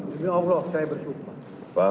demi allah saya bersumpah